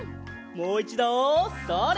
もういちどそれ！